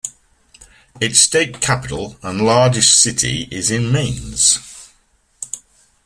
Its state capital and largest city is Mainz.